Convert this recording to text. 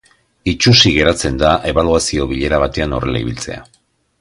Itsusi geratzen da ebaluazio bilera batean horrela ibiltzea.